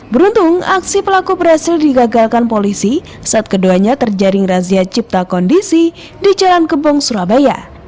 beruntung aksi pelaku berhasil digagalkan polisi saat keduanya terjaring razia cipta kondisi di jalan kebong surabaya